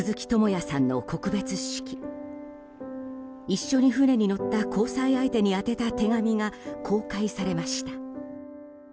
一緒に船に乗った交際相手に宛てた手紙が公開されました。